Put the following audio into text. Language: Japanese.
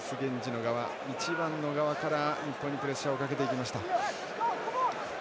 １番の側から日本にプレッシャーをかけていきました。